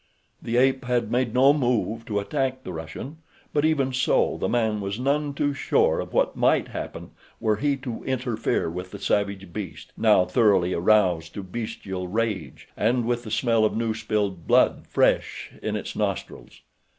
The ape had made no move to attack the Russian but even so the man was none too sure of what might happen were he to interfere with the savage beast, now thoroughly aroused to bestial rage, and with the smell of new spilled blood fresh in its nostrils.